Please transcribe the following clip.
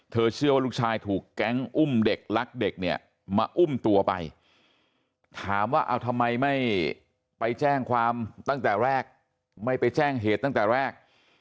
เชื่อว่าลูกชายถูกแก๊งอุ้มเด็กรักเด็กเนี่ยมาอุ้มตัวไปถามว่าเอาทำไมไม่ไปแจ้งความตั้งแต่แรกไม่ไปแจ้งเหตุตั้งแต่แรก